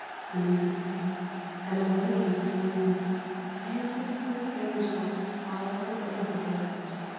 The music starts and away he flings — Dancing with angels all in a round.